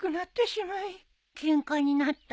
ケンカになった？